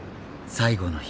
最後の日。